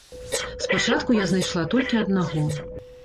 Спачатку я знайшла толькі аднаго.